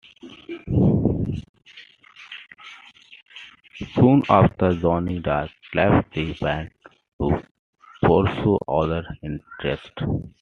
Soon after, Johnny Dark left the band to pursue other interests.